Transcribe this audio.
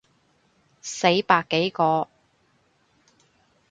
死百幾個